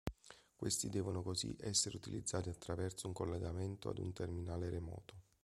Questi devono così essere utilizzati attraverso un collegamento ad un terminale remoto.